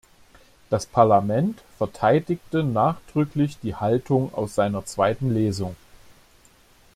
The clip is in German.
Das Parlament verteidigte nachdrücklich die Haltung aus seiner zweiten Lesung.